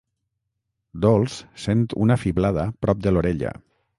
Dols sent una fiblada prop de l'orella.